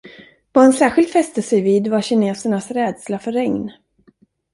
Vad han särskilt fäste sig vid var kinesernas rädsla för regn.